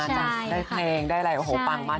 ได้เมล็งแล้วก็อะไรอันนั้นอ้าวปังมาก